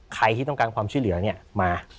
ใครที่ต้องการความช่วยเหลือเนี่ยมา